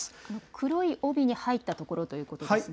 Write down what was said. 黒い帯に入ったところということですね。